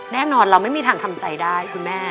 แน่นอนเราไม่มีทางทำใจได้คุณแม่